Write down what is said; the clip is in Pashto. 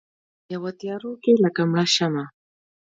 یوه تیارو کې لکه مړه شمعه